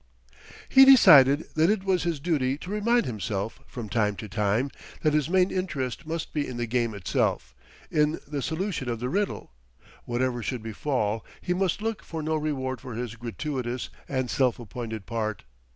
He decided that it was his duty to remind himself, from time to time, that his main interest must be in the game itself, in the solution of the riddle; whatever should befall, he must look for no reward for his gratuitous and self appointed part.